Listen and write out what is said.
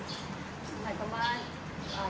ค่ะยังไงคุณคิวเนี่ยอ่าน